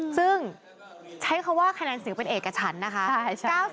ซึ่งใช้คำว่าคะแนนเสียงเป็นเอกฉันนะคะ